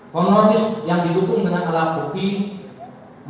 kronologis yang didukung dengan alat hukum